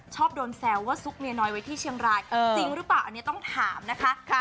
ชอบโดนแซวว่าซุกเมียน้อยไว้ที่เชียงรายจริงหรือเปล่าอันนี้ต้องถามนะคะ